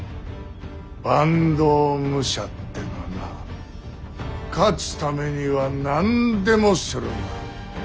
坂東武者ってのはな勝つためには何でもするんだ。